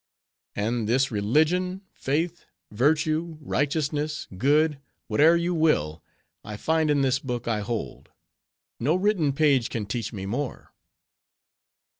And this religion, faith, virtue, righteousness, good, whate'er you will, I find in this book I hold. No written page can teach me more."